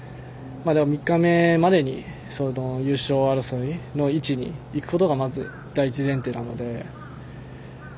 ３日目までに優勝争いの位置にいくことがまず第一前提なので。